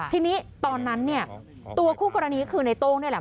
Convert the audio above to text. ทีนี้ตอนนั้นเนี่ยตัวคู่กรณีคือในโต้งนี่แหละ